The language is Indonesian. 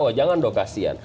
oh jangan dong kasihan